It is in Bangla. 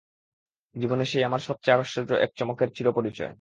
জীবনে সেই আমার সব-চেয়ে আশ্চর্য একচমকের চিরপরিচয়।